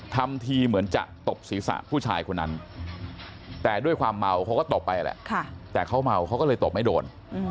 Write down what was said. ทำทีเหมือนจะตบศีรษะผู้ชายคนนั้นแต่ด้วยความเมาเขาก็ตบไปแหละแต่เขาเมาเขาก็เลยตบไม่โดน